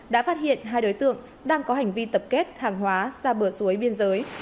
đã phát hiện hai đối tượng đang có hành vi tập kết hàng hóa ra bờ suối biên giới